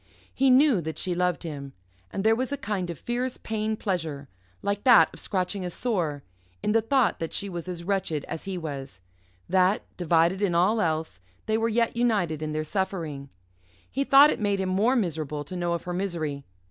He knew that she loved him, and there was a kind of fierce pain pleasure like that of scratching a sore in the thought that she was as wretched as he was, that, divided in all else, they were yet united in their suffering. He thought it made him more miserable to know of her misery.